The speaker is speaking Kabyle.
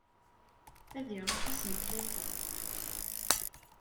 Ad iṛuḥ ass n tlata.